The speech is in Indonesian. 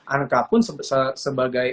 anka pun sebagai